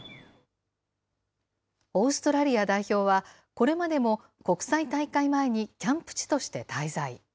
オーストラリア代表は、これまでも国際大会前にキャンプ地として滞在。